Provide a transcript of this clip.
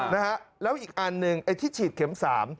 อ๋อนะฮะแล้วอีกอันหนึ่งที่ฉีดเข็ม๓